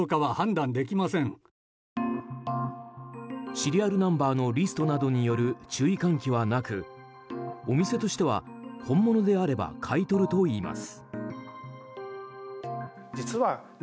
シリアルナンバーのリストなどによる注意喚起はなくお店としては本物であれば買い取るといいます。